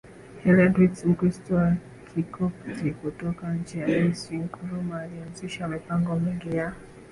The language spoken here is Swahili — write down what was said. Helen Ritzk Mkristo wa Kikopti kutoka nchi ya MisriNkrumah alianzisha mipango mingi ya